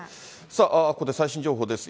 さあ、ここで最新情報です。